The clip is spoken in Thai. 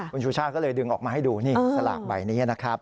คุณชูชาติก็เลยดึงออกมาให้ดูนี่สลากใบนี้นะครับ